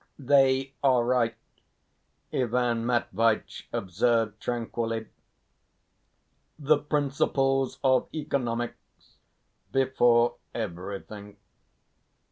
"They are right," Ivan Matveitch observed tranquilly; "the principles of economics before everything."